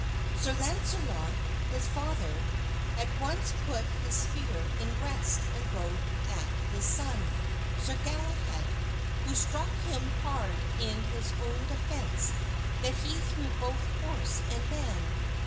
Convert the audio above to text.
Sir Launcelot, his father, at once put his spear in rest and rode at his son, Sir Galahad, who struck so hard in his own defense that he threw both horse and man.